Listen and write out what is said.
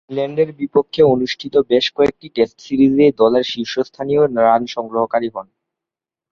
ইংল্যান্ডের বিপক্ষে অনুষ্ঠিত বেশ কয়েকটি টেস্ট সিরিজে দলের শীর্ষস্থানীয় রান সংগ্রহকারী হন।